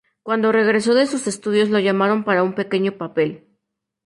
Cuando regresó de sus estudios lo llamaron para un pequeño papel.